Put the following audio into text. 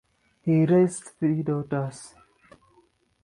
He raised three daughters.